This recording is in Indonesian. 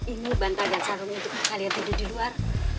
ini bantal dan sarung untuk kalian tidur di luar